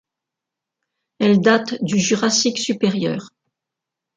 Elle date du Jurassique supérieur.